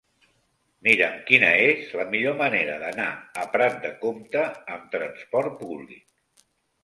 Mira'm quina és la millor manera d'anar a Prat de Comte amb trasport públic.